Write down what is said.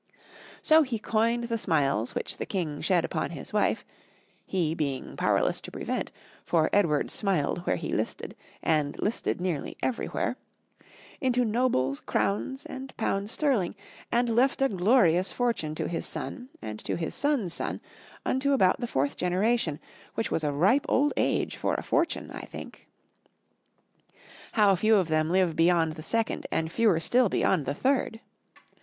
So he coined the smiles which the king shed upon his wife he being powerless to prevent, for Edward smiled where he listed, and listed nearly everywhere into nobles, crowns and pounds sterling, and left a glorious fortune to his son and to his son's son, unto about the fourth generation, which was a ripe old age for a fortune, I think. How few of them live beyond the second, and fewer still beyond the third!